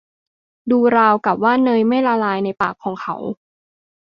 ดูราวกับว่าเนยไม่ละลายในปากของเขา